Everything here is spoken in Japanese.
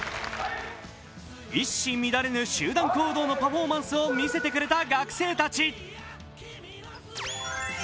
一糸乱れぬ集団行動のパフォーマンスを見せてくれた学生たち。